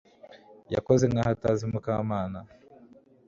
yakoze nkaho atazi Mukamana